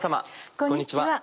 こんにちは。